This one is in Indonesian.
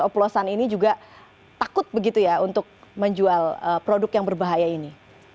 oplosan ini juga takut begitu ya untuk menjual produk yang berbahaya ini